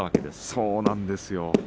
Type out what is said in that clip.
そうなんですよ。